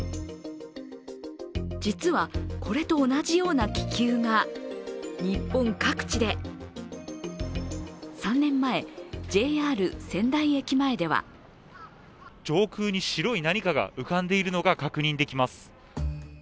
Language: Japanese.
実は、これと同じような気球が日本各地で３年前、ＪＲ仙台駅前では上空に白い何かが浮かんでいるのが確認できます。